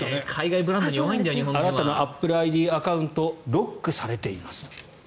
あなたのアップルＩＤアカウントロックされています。